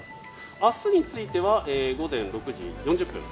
明日については午前６時４０分。